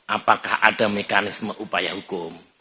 apakah ada mekanisme upaya hukum